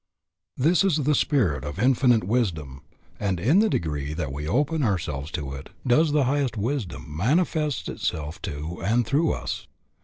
This is the Spirit of Infinite Wisdom, and in the degree that we open ourselves to it does the highest wisdom manifest itself to and through us.